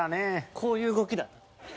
こういう動きだ。